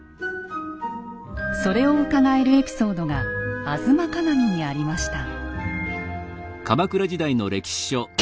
それをうかがえるエピソードが「吾妻鏡」にありました。